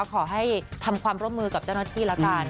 ขอให้ทำความร่วมมือกับเจ้าหน้าที่แล้วกัน